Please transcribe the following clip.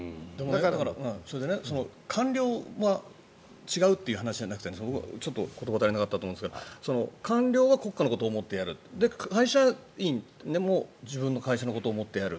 それで、官僚は違うっていう話じゃなくてちょっと言葉が足りなかったと思うんですが官僚は国家のことを思ってやる会社員も自分の会社のことを思ってやる。